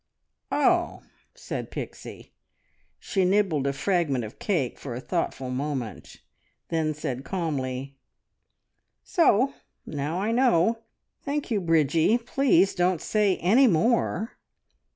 "Oh!" said Pixie. She nibbled a fragment of cake for a thoughtful moment, and then said calmly "So now I know. Thank you, Bridgie. Please don't say any more!"